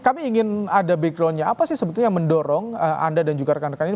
kami ingin ada backgroundnya apa sih sebetulnya yang mendorong anda dan juga rekan rekan ini